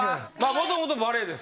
もともとバレーですから。